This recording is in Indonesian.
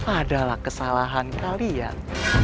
adalah kesalahan kalian